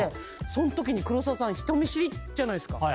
そのときに黒沢さん人見知りじゃないですか。